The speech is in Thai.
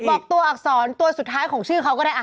อย่าบอกบอกตัวอักษรตัวสุดท้ายของชื่อเค้าก็ได้